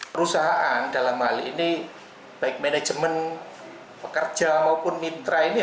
perusahaan dalam hal ini baik manajemen pekerja maupun mitra ini